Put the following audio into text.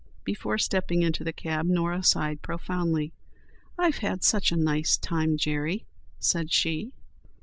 Before stepping into the cab Norah sighed profoundly. "I've had such a nice time, Jerry," said she.